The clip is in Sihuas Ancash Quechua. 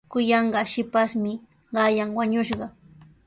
Kuyanqaa shipashmi qanyan wañushqa.